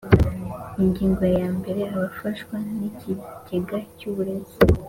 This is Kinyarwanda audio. Ingingo ya mbere Abafashwa n Ikigega cy Uburezi